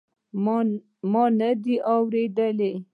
ما ندي اورېدلي.